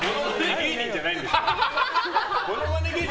芸人じゃないんですよ。